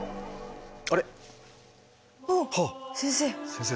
先生。